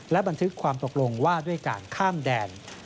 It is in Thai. และบันทึกความตกลงว่าด้วยการข้ามแดน